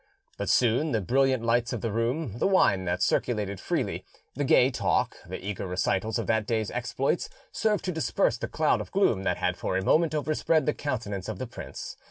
But soon the brilliant lights of the room, the wine that circulated freely, the gay talk, the eager recitals of that day's exploits served to disperse the cloud of gloom that had for a moment overspread the countenance of the prince.